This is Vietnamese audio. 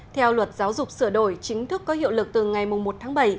theo luật giáo dục sửa đổi chính thức có hiệu lực từ ngày một tháng bảy